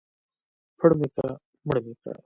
ـ پړ مى که مړ مى که.